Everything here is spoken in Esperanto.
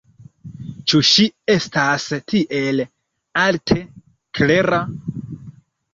Ĉu ŝi estas tiel alte klera?